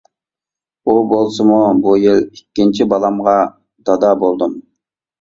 ئۇ بولسىمۇ، بۇ يىل ئىككىنچى بالامغا دادا بولدۇم.